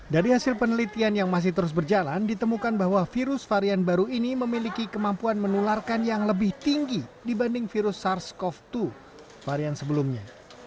dari hasil penelitian yang masih terus berjalan ditemukan bahwa virus varian baru ini memiliki kemampuan menularkan yang lebih tinggi dibanding virus sars cov dua varian sebelumnya